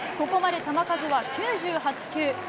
ここまで球数は９８球。